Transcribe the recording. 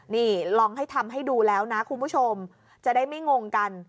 นี่ลองให้ทำให้ดูแล้วนะคุณผู้ชมจะได้ไม่งงกัน